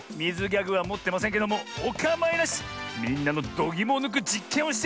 ギャグはもってませんけどもおかまいなし！